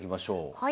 はい。